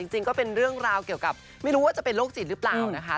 จริงก็เป็นเรื่องราวเกี่ยวกับไม่รู้ว่าจะเป็นโรคจิตหรือเปล่านะคะ